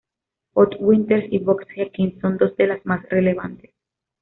Holt-Winters y Box-Jenkins son dos de las más relevantes.